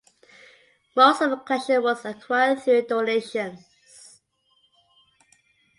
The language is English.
Most of the collection was acquired through donations.